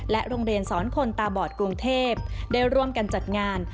โรงเรียนสอนคนตาบอดกรุงเทพได้ร่วมกันจัดงาน